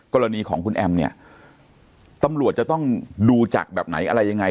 กรณีของคุณแอมเนี่ยตำรวจจะต้องดูจากแบบไหนอะไรยังไง